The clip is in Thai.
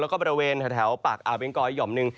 แล้วก็บริเวณแถวปากอาวเบงกอยห่อมหนึ่ง